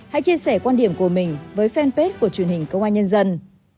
hãy chia sẻ quan điểm của mình với fanpage của truyền hình công an nhân dân